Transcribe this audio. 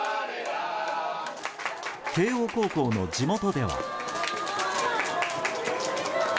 慶応高校の地元では。